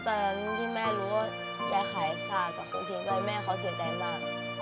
แต่ที่แม่รู้ว่ายายก็ขายโคกสาทิ้งมาให้แม่ก็เสียใจมาก